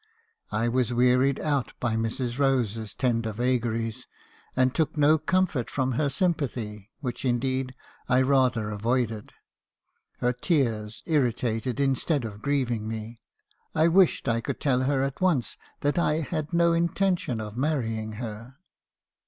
I was wearied out by Mrs. Rose's tender vagaries, and took no comfort from her sympathy, which indeed I rather avoided. Her tears irritated, instead of grieving me. I wished I could tell her at once that I had no intention of marrying her."